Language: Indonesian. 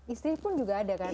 istri pun juga ada kan